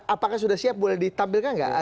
apakah sudah siap boleh ditampilkan nggak